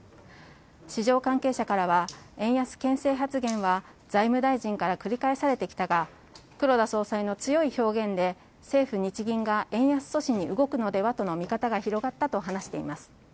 市場関係者からは円安けん制発言は財務大臣から繰り返されてきたが黒田総裁の強い表現で政府・日銀が円安阻止に動くのではとの見方が広がったと話しています。